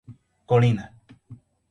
Colina